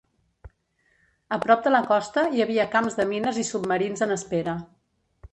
A prop de la costa hi havia camps de mines i submarins en espera.